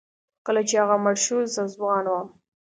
کله چې هغه مړ شو زه ځوان وم.